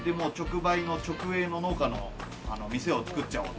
直営の農家の店を作っちゃおうと。